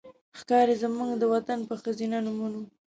ښکاري زموږ د وطن په ښځېنه نومونو